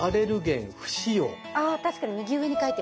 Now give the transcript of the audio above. あ確かに右上に書いてます。